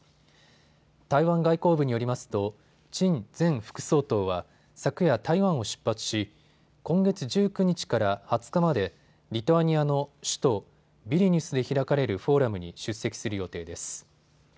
台湾外交部によりますと陳前副総統は昨夜、台湾を出発し今月１９日から２０日までリトアニアの首都ビリニュスで開かれるフォーラムに出席する予定です。